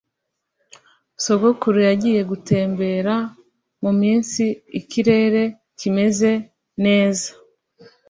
Sogokuru yagiye gutembera muminsi ikirere kimeze neza